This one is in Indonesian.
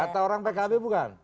kata orang pkb bukan